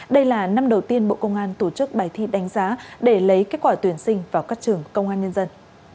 đây là năm đầu tiên bộ công an tổ chức bài thi đánh giá để lấy kết quả tuyển sinh vào các trường công an nhân dân